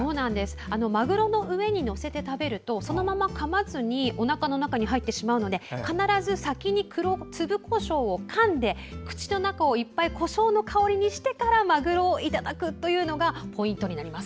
まぐろの上に載せて食べるとそのままかまずにおなかの中に入ってしまうので必ず先に粒こしょうをかんで口の中をいっぱいこしょうの香りにしてからまぐろをいただくというのがポイントになります。